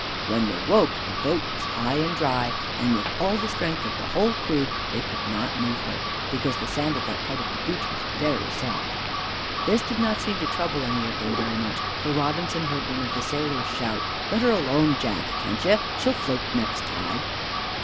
When they woke, the boat was high and dry, and with all the strength of the whole crew they could not move her, because the sand at that part of the beach was very soft. This did not seem to trouble any of them very much, for Robinson heard one of the sailors shout, "Let her alone, Jack, can't ye? She'll float next tide."